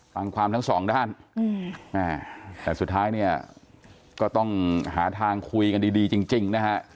ฟังความทั้งสองด้านแต่สุดท้ายเนี่ยก็ต้องหาทางคุยกันดีจริงนะฮะ